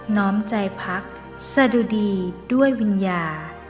น้อมใจพลักษณ์สดุดีด้วยวิญญา